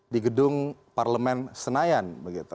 di gedung parlemen senayan